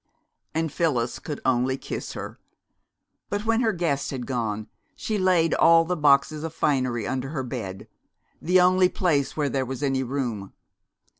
And Phyllis could only kiss her. But when her guest had gone she laid all the boxes of finery under her bed, the only place where there was any room.